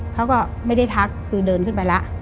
เขาก็ไม่ได้ทักคือเดินขึ้นไปแล้ว